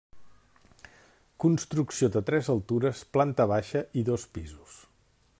Construcció de tres altures, planta baixa i dos pisos.